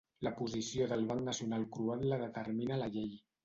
La posició del Banc Nacional Croat la determina la llei.